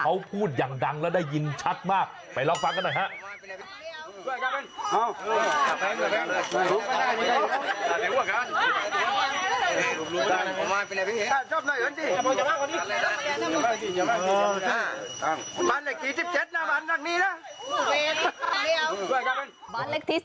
เขาพูดอย่างดังแล้วได้ยินชัดมากไปลองฟังกันหน่อยฮะ